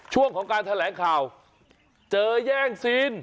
ช่วงของการแถลงข่าวเจอแย่งซีน